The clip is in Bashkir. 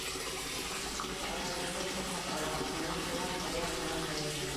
Мәғриб кешеһе Аладдинды етәкләп ала, шунан улар тау яғына ыңғайлайҙар.